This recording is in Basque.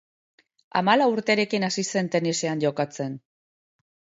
Hamalau urterekin hasi zen tenisean jokatzen.